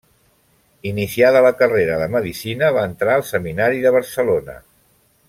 Iniciada la carrera de Medicina va entrar al seminari de Barcelona.